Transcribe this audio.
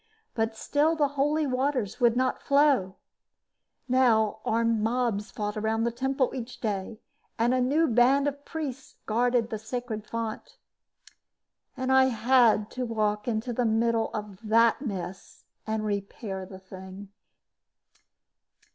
But still the holy waters would not flow. Now armed mobs fought around the temple each day and a new band of priests guarded the sacred fount. And I had to walk into the middle of that mess and repair the thing.